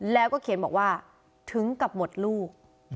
แล้วก็เขียนบอกว่าถึงกับหมดลูก